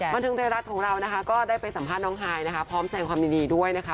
มันทึงเทราะย์ของเราก็ได้ไปสัมภาษณ์น้องไฮพร้อมแสดงความดีด้วยนะคะ